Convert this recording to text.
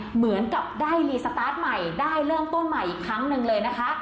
เหมือนกับได้มีสตาร์ทใหม่ได้เริ่มต้นใหม่อีกครั้งหนึ่งเลยนะคะ